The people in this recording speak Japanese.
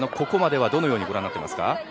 ここまではどのようにご覧になっていますか。